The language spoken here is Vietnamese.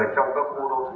đã đến lúc phải thay đổi